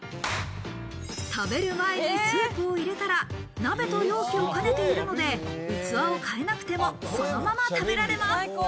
食べる前にスープを入れたら鍋と容器を兼ねているので器を変えなくても、そのまま食べられます。